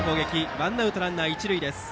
ワンアウトランナー、一塁です。